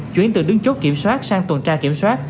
chuyển từ đứng chốt kiểm soát sang tuần tra kiểm soát